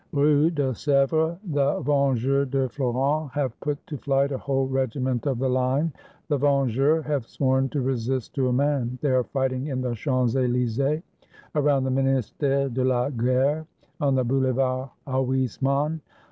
Rue de Sevres, the Vengeurs de Flourens have put to flight a whole regiment of the line : the Vengctirs have sworn to resist to a man. They are fighting in the Champs Elysees, around the Ministere de la Guerre, and on the Boulevard Haussmann.